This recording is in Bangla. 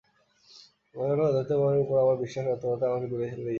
মনে হলো, অধ্যাত্মবাদের ওপর আমার বিশ্বাস বাস্তবতা থেকে আমাকে দূরে ঠেলে দিয়েছে।